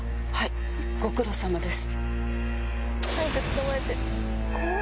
ご苦労さまです。